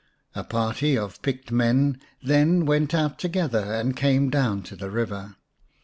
A party of picked men then went out together and came down to the river.